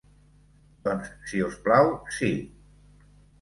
Doncs si us plau si.